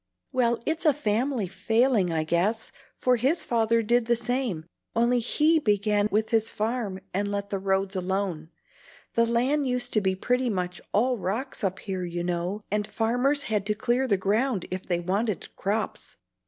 "Well, it's a family failing I guess, for his father did the same, only HE began with his farm and let the roads alone. The land used to be pretty much all rocks up here, you know, and farmers had to clear the ground if they wanted crops.